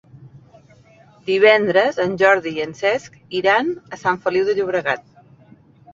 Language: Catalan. Divendres en Jordi i en Cesc iran a Sant Feliu de Llobregat.